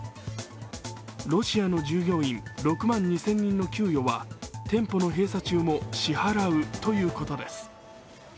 ロシアの従業員６万２０００人の給与は店舗の閉鎖中も支払うということです。